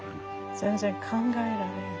全然考えられん。